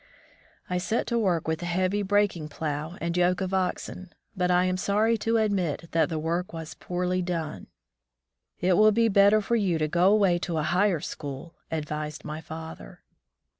I set to work with the heavy breaking plow and yoke of oxen, but I am sorry to admit that the work was poorly done. "It will be better for you to go away to a higher school," advised my father.